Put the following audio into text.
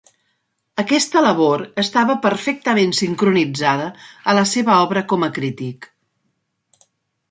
Aquesta labor estava perfectament sincronitzada a la seva obra com a crític.